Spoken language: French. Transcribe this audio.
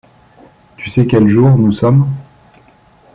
Tu sais quel jour, nous sommes